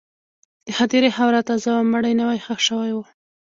د هدیرې خاوره تازه وه، مړی نوی ښخ شوی و.